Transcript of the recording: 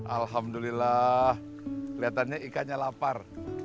alhamdulillah kelihatannya ikannya lapar